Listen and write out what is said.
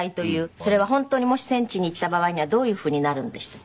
それは本当にもし戦地に行った場合にはどういうふうになるんでしたっけ？